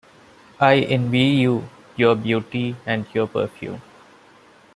I envy you your beauty and your perfume.